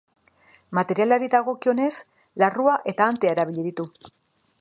Materialari dagokionez, larrua eta antea erabili ditu.